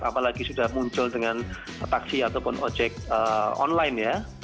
apalagi sudah muncul dengan taksi ataupun ojek online ya